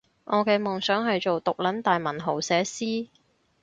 我嘅夢想係做毒撚大文豪寫詩